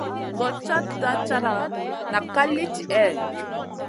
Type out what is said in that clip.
Gochata chata nak ka li tihè?